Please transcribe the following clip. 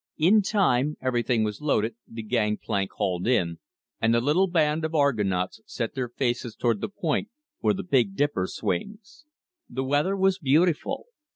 In time everything was loaded, the gang plank hauled in, and the little band of Argonauts set their faces toward the point where the Big Dipper swings. The weather was beautiful.